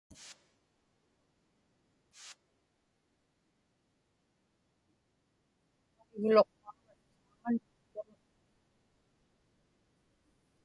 kivuŋa Igluqpaurat saaŋanun tulaktut